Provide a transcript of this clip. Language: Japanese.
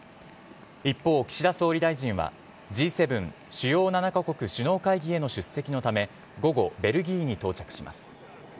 一方、岸田総理大臣はＧ７＝主要７カ国首脳会議への出席のため午後、ベルギーに到着します。